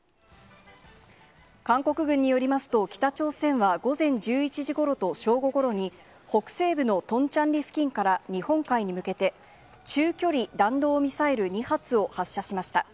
韓国軍によりますと、北朝鮮は午前１１時ごろと正午ごろに、北西部のトンチャンリ付近から日本海に向けて、中距離弾道ミサイル２発を発射しました。